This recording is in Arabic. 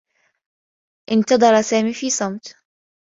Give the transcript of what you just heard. اتظر سامي في صمت.